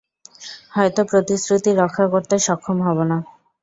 হয়তো প্রতিশ্রুতি রক্ষা করতে সক্ষম হব না।